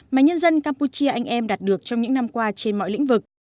mà nhân dân campuchia anh em đạt được trong những năm qua trên mọi lĩnh vực